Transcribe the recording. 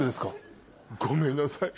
ごめんなさい。